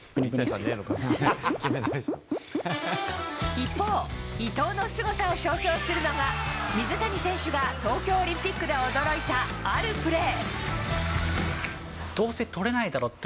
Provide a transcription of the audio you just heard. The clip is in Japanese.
一方伊藤のすごさを象徴するのが水谷選手が東京オリンピックで驚いた、あるプレー。